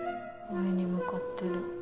上に向かってる。